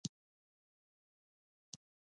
آزاد تجارت مهم دی ځکه چې رستورانټونه تنوع ورکوي.